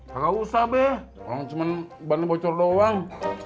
gak usah be cuman ban bocor doang